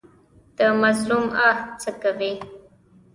د مظلوم آه څه کوي؟